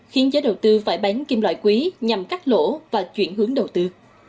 khiến giới đầu tư phải bán kim loại quý nhằm cắt lỗ và chuyển hướng đầu tư